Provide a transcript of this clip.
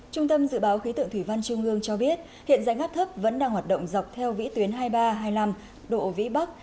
trung tâm dự báo khí tượng thủy văn trung ương cho biết hiện dạnh áp thấp vẫn đang hoạt động dọc theo vĩ tuyến hai mươi ba hai mươi năm độ vĩ bắc